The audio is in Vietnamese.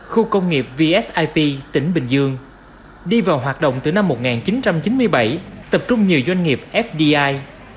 khu công nghiệp vsip tỉnh bình dương đi vào hoạt động từ năm một nghìn chín trăm chín mươi bảy tập trung nhiều doanh nghiệp fdi